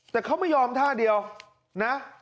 แต่เขาไม่ยอมท่าเดียวนะ